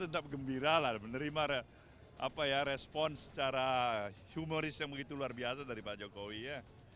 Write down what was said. tetap gembira lah menerima respon secara humoris yang begitu luar biasa dari pak jokowi ya